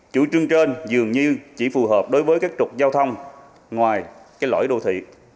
chủ trương trên dường như chỉ phù hợp đối với các trục giao thông ngoài cái lõi đô thị